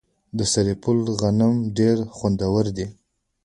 د سرپل غنم ډیر خوندور دي.